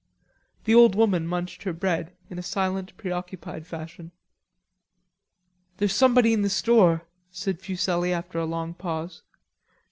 The old woman munched her bread in a silent preoccupied fashion. "There's somebody in the store," said Fuselli after a long pause.